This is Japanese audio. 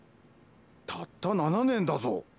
たった７年だぞ！